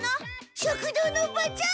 食堂のおばちゃん！